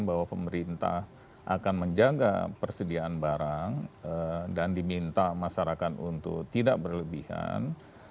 bahwa pemerintah akan menjaga persediaan barang dan diminta masyarakat untuk tidak berlebihan